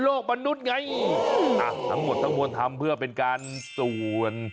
โรคมนุษย์ไงทั้งหมดทั้งหมดทำเพื่อเป็นการส่วน